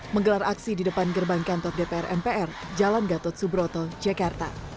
menggelar aksi di depan gerbang kantor dpr mpr jalan gatot subroto jakarta